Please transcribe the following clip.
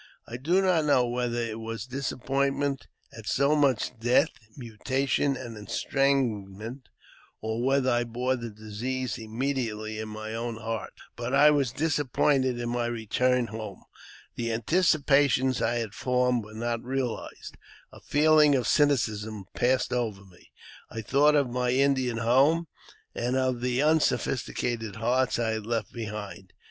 I do not know whether it was disappointment at so much death, mutation, and estrangement, or whether I bore the disease immediately in my own heart, but I was disappointed in my return home ; the anticipations I had formed were not reahzed — a feeling of cynicism passed over me. I thought of my Indian home, and of the unsophisticated hearts I had left behind me.